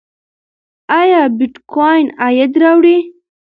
ایا بېټکوین عاید راوړي؟